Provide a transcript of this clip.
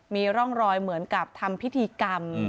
มีร่องรอยเหมือนกับทำพิธีกรรม